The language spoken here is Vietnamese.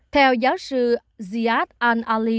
theo giáo sư ziad al ali